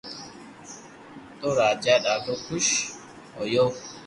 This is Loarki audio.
تو راجا ڌادو خوݾ ھويو